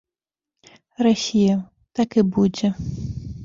Расія, так і будзе.